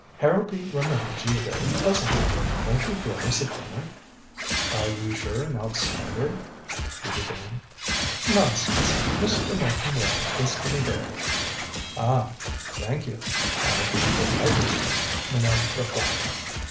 "Harrowby remembers you very pleasantly. Won't you join us at dinner?" "Are you sure an outsider " he began. "Nonsense. Mr. Martin Wall is to be there." "Ah thank you I'll be delighted," Minot replied.